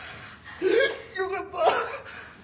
よかった。